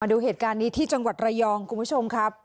ดูเหตุการณ์นี้ที่จังหวัดระยองคุณผู้ชมครับ